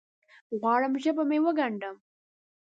غواړم ژبه مې وګنډم